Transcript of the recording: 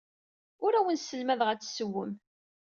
Ur awen-sselmadeɣ ad tessewwem.